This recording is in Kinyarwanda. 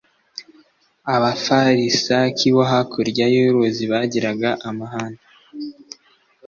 abafarisaki bo hakurya y ‘uruzi bagiraga amahane.